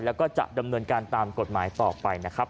แล้วก็จะดำเนินการตามกฎหมายต่อไปนะครับ